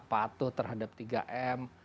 patuh terhadap tiga m